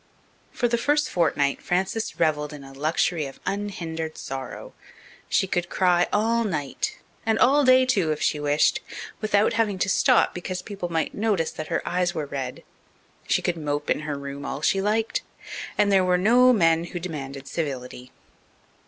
For the first fortnight Frances revelled in a luxury of unhindered sorrow. She could cry all night and all day too, if she wished without having to stop because people might notice that her eyes were red. She could mope in her room all she liked. And there were no men who demanded civility.